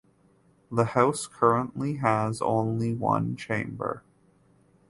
The house currently has only one chamber.